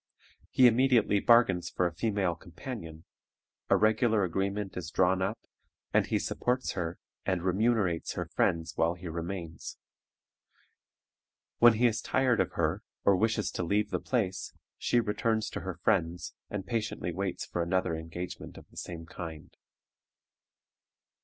He immediately bargains for a female companion, a regular agreement is drawn up, and he supports her and remunerates her friends while he remains. When he is tired of her, or wishes to leave the place, she returns to her friends, and patiently waits for another engagement of the same kind.